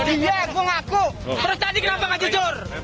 iya aku ngaku terus tadi kenapa gak jujur